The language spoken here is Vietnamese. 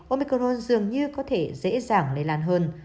omicron dường như có thể dễ dàng lây lan hơn